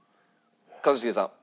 一茂さん。